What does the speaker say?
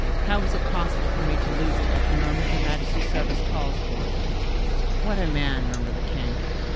How is it possible for me to lose it at the moment your majesty's service calls for it?" "What a man!" murmured the king.